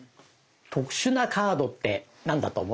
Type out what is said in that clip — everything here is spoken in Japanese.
特殊なカードって何だと思う？